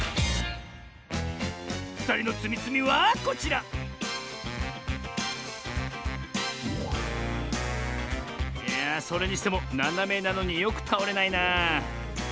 ふたりのつみつみはこちらいやそれにしてもななめなのによくたおれないなあ。